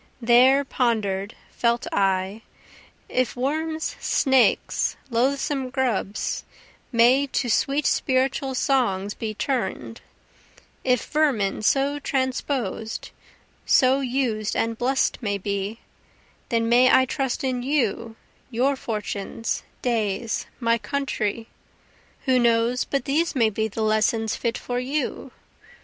There ponder'd, felt I, If worms, snakes, loathsome grubs, may to sweet spiritual songs be turn'd, If vermin so transposed, so used and bless'd may be, Then may I trust in you, your fortunes, days, my country; Who knows but these may be the lessons fit for you?